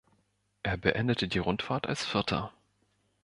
Er beendete die Rundfahrt als Vierter.